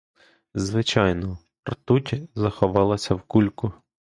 Звичайно, ртуть заховалася в кульку.